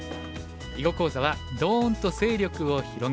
囲碁講座は「ドーンと勢力を広げる」。